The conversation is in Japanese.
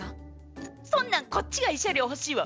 そんなんこっちが慰謝料欲しいわ。